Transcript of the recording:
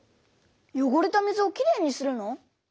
よごれた水をきれいにするの？